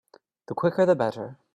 The quicker the better.